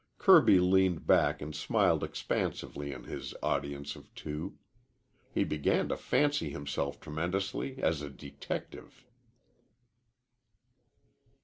Kirby leaned back and smiled expansively on his audience of two. He began to fancy himself tremendously as a detective.